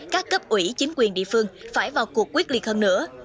các cấp ủy chính quyền địa phương phải vào cuộc quyết liệt hơn nữa